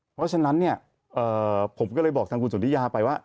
เพราะฉะนั้นเนี่ยผมก็เลยบอกทางคุณสนทิยาไปว่า